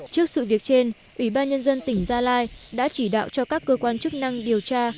trước sự việc trên ủy ban nhân dân tỉnh gia lai đã chỉ đạo cho các cơ quan chức năng điều tra